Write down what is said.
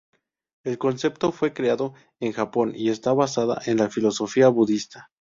El concepto fue creado en Japón y está basado en la filosofía budista.